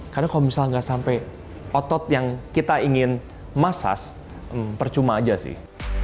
karena kalau misalnya nggak sampai otot yang kita ingin massage percuma aja sih